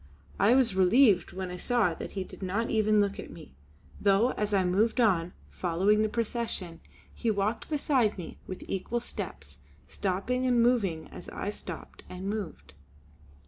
I was relieved when I saw that he did not even look at me; though as I moved on, following the procession, he walked beside me with equal steps, stopping and moving as I stopped and moved.